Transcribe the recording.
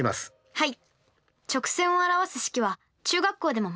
はい。